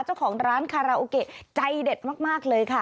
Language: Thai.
เจ้าของร้านคาราโอเกะใจเด็ดมากเลยค่ะ